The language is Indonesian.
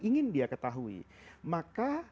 ingin dia ketahui maka